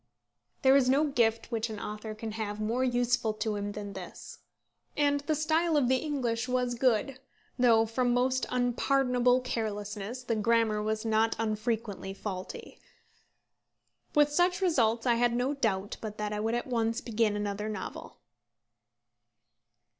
There is no gift which an author can have more useful to him than this. And the style of the English was good, though from most unpardonable carelessness the grammar was not unfrequently faulty. With such results I had no doubt but that I would at once begin another novel.